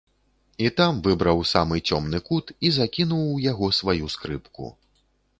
І там выбраў самы цёмны кут і закінуў у яго сваю скрыпку.